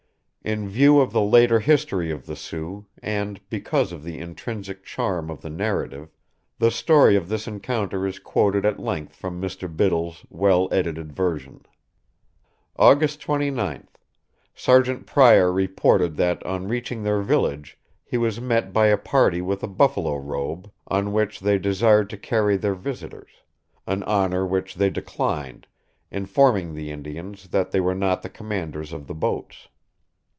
In view of the later history of the Sioux, and because of the intrinsic charm of the narrative, the story of this encounter is quoted at length from Mr. Biddle's well edited version: "August 29th.... Sergeant Pryor reported that on reaching their village, he was met by a party with a buffalo robe, on which they desired to carry their visitors, an honor which they declined, informing the Indians that they were not the commanders of the boats.